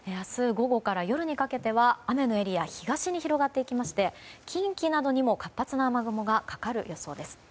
午後から夜にかけては雨のエリア東に広がっていきまして近畿などにも活発な雨雲がかかる予想です。